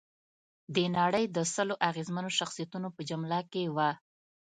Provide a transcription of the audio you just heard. د نړۍ د سلو اغېزمنو شخصیتونو په جمله کې وه.